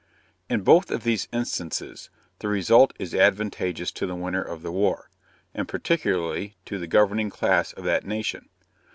In both of these instances the result is advantageous to the winner of the war, and particularly to the governing class of that nation.